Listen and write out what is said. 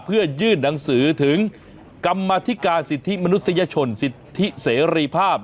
เพื่อยื่นหนังสือถึงกรรมธิการสิทธิมนุษยชนสิทธิเสรีภาพ